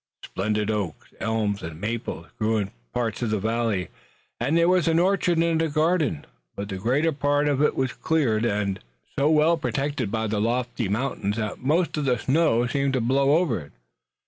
Splendid oaks, elms and maples grew in parts of the valley, and there was an orchard and a garden, but the greater part of it was cleared, and so well protected by the lofty mountains that most of the snow seemed to blow over it.